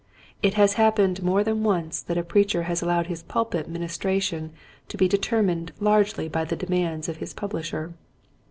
It has happened more than once that a preacher has allowed his pulpit ministration to be determined largely by the demands of his publisher.